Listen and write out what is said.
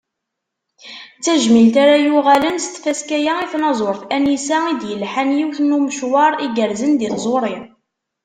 D tajmilt ara yuɣalen s tfaska-a i tnaẓurt Anisa i d-yelḥan yiwen n umecwar igerrzen di tẓuri.